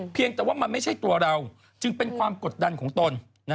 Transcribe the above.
เพียงแต่ว่ามันไม่ใช่ตัวเราจึงเป็นความกดดันของตน